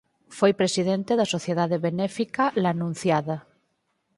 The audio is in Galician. Foi presidente da sociedade benéfica La Anunciada.